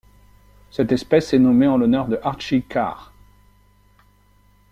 Cette espèce est nommée en l'honneur de Archie Carr.